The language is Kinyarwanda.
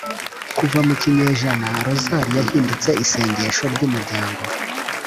kuva mu kinyejana rozali yahindutse isengesho ry’umuryango